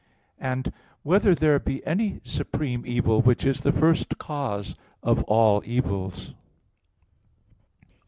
(3) Whether there be any supreme evil, which is the first cause of all evils?